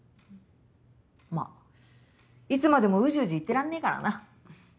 まあいつまでもうじうじ言ってらんねえからな。